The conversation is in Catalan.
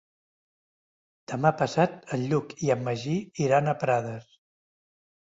Demà passat en Lluc i en Magí iran a Prades.